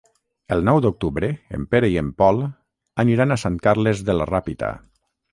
El nou d'octubre en Pere i en Pol aniran a Sant Carles de la Ràpita.